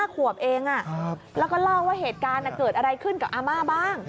๕ขวบเองแล้วก็เล่าว่าเหตุการณ์เกิดอะไรขึ้นกับอาม่าบ้าง